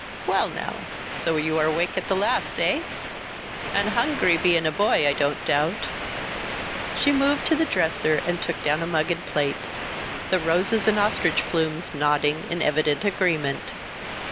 "Well now. So you are awake at the last, eh? And hungry, bein' a boy, I don't doubt?" She moved to the dresser and took down a mug and plate, the roses and ostrich plumes nodding in evident agreement.